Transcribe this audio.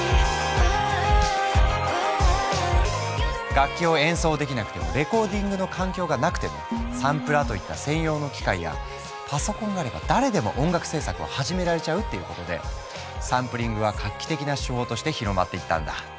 楽器を演奏できなくてもレコーディングの環境がなくてもサンプラーといった専用の機械やパソコンがあれば誰でも音楽制作を始められちゃうっていうことでサンプリングは画期的な手法として広まっていったんだ。